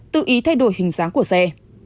tự ý thay đổi hình dáng của xe